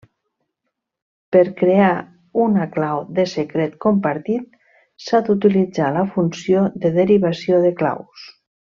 Per crear una clau de secret compartit, s'ha d'utilitzar la funció de derivació de claus.